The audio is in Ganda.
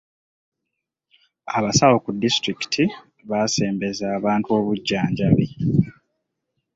Abasawo ku disitulikiti baasembeza abantu obujjanjabi.